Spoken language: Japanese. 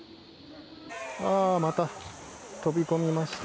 また飛び込みました。